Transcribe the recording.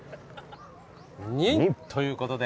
ニン！ということで。